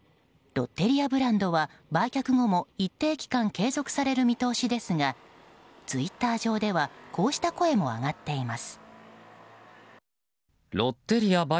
ロッテリアブランドは売却後も一定期間継続される見通しですがツイッター上ではこうした声も上がっています。